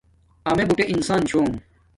امیے بوٹے انسان چھوم